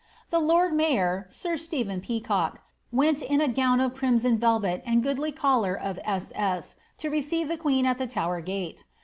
"The lord mayor, sir Stephen Peacock, went in a gown of crimson velvet and a goodly collar of S.S. to receive the queen at the Tower /rate.